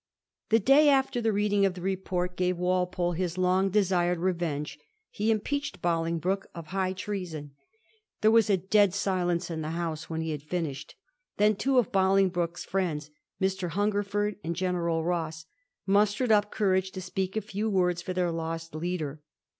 The day after the reading of the report gave Walpole his long desired revenge : he impeached Bolingbroke of high treason. There was a dead silence in the House when he had fiboished. Then two of Bolingbroke's fiiends, Mr. Hungerford and General Ross, mustered up courage to speak a few words for their lost leader.